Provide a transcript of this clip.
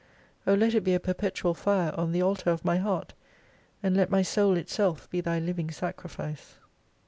O let it be a perpetual fire on the altar of my heart, and let my soul itself be Thy living sacrifice.